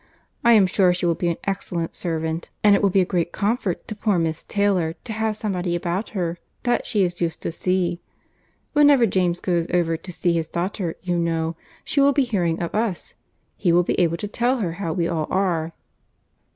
I am sure she will be an excellent servant; and it will be a great comfort to poor Miss Taylor to have somebody about her that she is used to see. Whenever James goes over to see his daughter, you know, she will be hearing of us. He will be able to tell her how we all are."